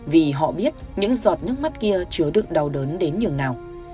vì họ biết những giọt nước mắt kia chưa được đau đớn đến nhường nào